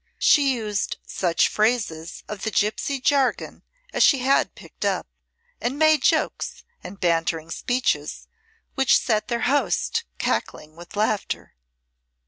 She used such phrases of the gipsy jargon as she had picked up, and made jokes and bantering speeches which set their host cackling with laughter.